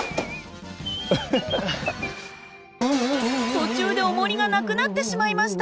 途中でおもりがなくなってしまいました。